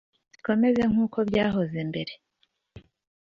bikomeze nk'uko byahoze mbere